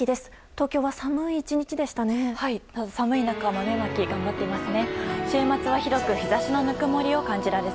東京は寒い１日でしたね。